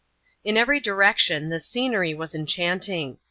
In every direction, the scenery was enchanting.